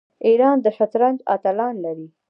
ایران د شطرنج اتلان لري.